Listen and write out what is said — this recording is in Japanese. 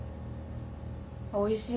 おいしい。